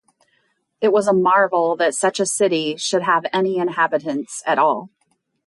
It was a marvel that such a city should have any inhabitants at all.